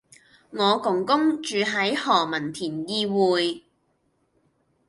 我公公住喺何文田懿薈